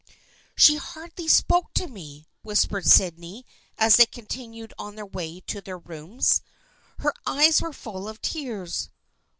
" She hardly spoke to me," whispered Sydney as they continued on their way to their rooms. Her eyes were full of tears.